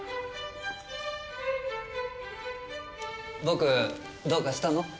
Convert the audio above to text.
ボクどうかしたの？